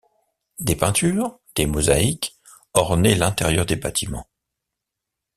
Des peintures, des mosaïques ornaient l'intérieur des bâtiments.